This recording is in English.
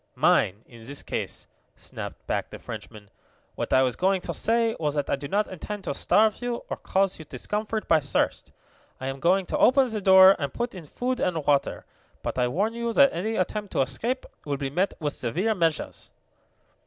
"Mine, in this case," snapped back the Frenchman. "What I was going to say was that I do not intend to starve you, or cause you discomfort by thirst. I am going to open the door and put in food and water. But I warn you that any attempt to escape will be met with severe measures.